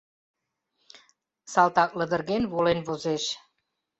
Салтак лыдырген волен возеш.